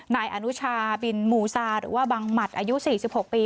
นายอนุชาบินมูซาหรือว่าบังหมัดอายุ๔๖ปี